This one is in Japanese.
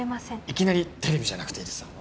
いきなりテレビじゃなくていいですよ